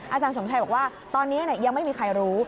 อาจารย์สมชัยบอกว่าตอนนี้ยังไม่มีใครรู้